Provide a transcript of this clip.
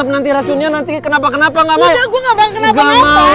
nanti racunnya nanti kenapa kenapa